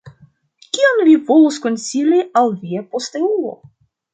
Kion vi volus konsili al via posteulo?